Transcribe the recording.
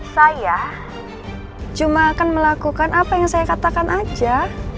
saya cuma akan melakukan apa yang saya katakan aja